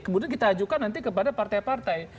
kemudian kita ajukan nanti kepada partai partai